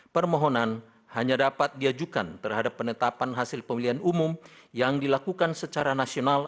permohonan hanya dapat diajukan terhadap penetapan hasil pemilihan umum yang dilakukan secara nasional